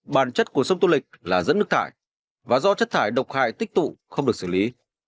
bản chất của sông tô lịch là dẫn nước thải và do chất thải độc hại tích tụ không được xử lý